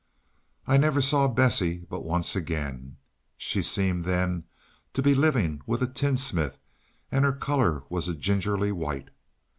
I never saw Bessie but once again. She seemed then to be living with a tinsmith, and her colour was a gingery white.